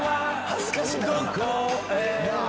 恥ずかしないん？